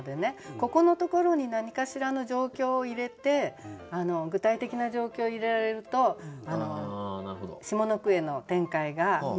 ここのところに何かしらの状況を入れて具体的な状況を入れられると下の句への展開がうまくいったというふうに思います。